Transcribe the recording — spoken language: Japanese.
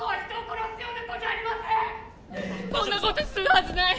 こんなことするはずない！